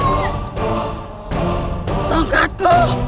ketika dia menangis dia menangis